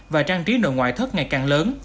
và trang trí nội ngoại thức ngày càng lớn